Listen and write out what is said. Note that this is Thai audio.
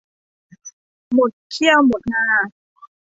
หมดเขี้ยวหมดงา